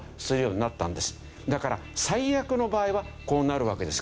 だから最悪の場合はこうなるわけですけど。